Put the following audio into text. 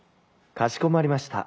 「かしこまりました」。